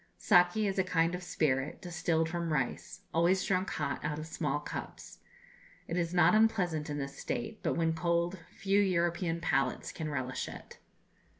Saki is a kind of spirit, distilled from rice, always drunk hot out of small cups. It is not unpleasant in this state, but when cold few European palates can relish it.